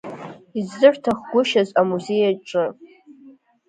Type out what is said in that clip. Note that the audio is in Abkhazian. Иззырҭахгәышьаз амузеи аҿы?